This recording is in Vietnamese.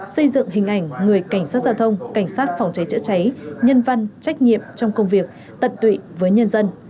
xây dựng hình ảnh người cảnh sát giao thông cảnh sát phòng cháy chữa cháy nhân văn trách nhiệm trong công việc tận tụy với nhân dân